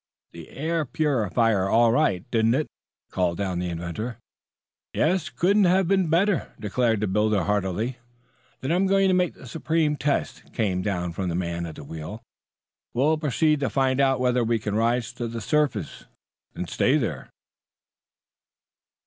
"The air purified all right, didn't it?" called down the inventor. "Yes; couldn't have been better," declared the builder heartily. "Then I'm going to make the supreme test," came down from the man at the wheel. "We'll proceed to find out whether we can rise to the surface and stay there."